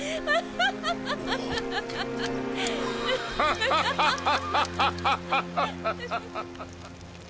ハハハハ。